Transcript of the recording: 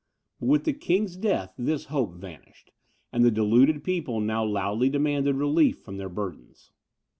But with the king's death this hope vanished, and the deluded people now loudly demanded relief from their burdens.